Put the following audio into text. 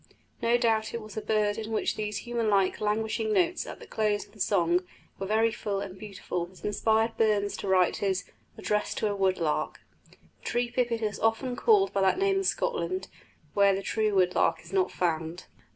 No doubt it was a bird in which these human like, languishing notes at the close of the song were very full and beautiful that inspired Burns to write his "Address to a Wood lark." The tree pipit is often called by that name in Scotland, where the true wood lark is not found.